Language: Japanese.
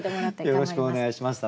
よろしくお願いします。